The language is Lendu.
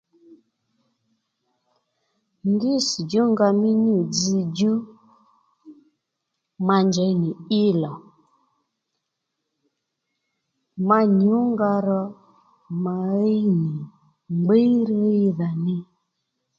Ngíssdjú nga mí nyû dzzdjú ma njey nì í lò ma nyǔ nga ro ma ɦíy nì ngbír ɦíydha ní